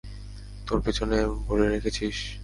তোর পেছনে ভরে রেখেছিস?